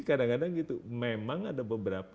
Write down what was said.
kadang kadang gitu memang ada beberapa